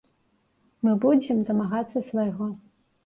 Мы будзем дамагацца свайго.